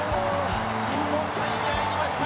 日本３位に入りました。